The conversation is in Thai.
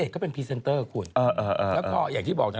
ก็เป็นพีเซ็นเตอร์คุณ